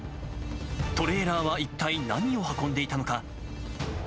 トレーラーは一体何を運んでいたのか。